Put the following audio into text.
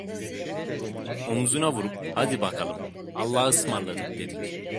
Omuzuna vurup: "Hadi bakalım, allahaısmarladık!" dedik.